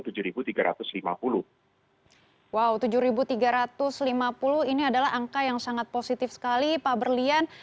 wow tujuh tiga ratus lima puluh ini adalah angka yang sangat positif sekali pak berlian